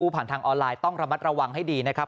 ผ่านทางออนไลน์ต้องระมัดระวังให้ดีนะครับ